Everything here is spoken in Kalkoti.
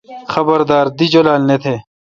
خبردار۔ دی جولال نہ تہ۔